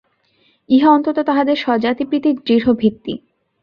ইহা অন্তত তাহাদের স্বজাতিপ্রীতির দৃঢ়ভিত্তি।